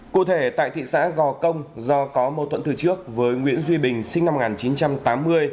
cụ thể tại thị xã gò công do có mâu thuẫn từ trước với nguyễn duy bình sinh năm một nghìn chín trăm tám mươi